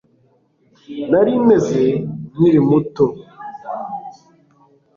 nari meze nkiri muto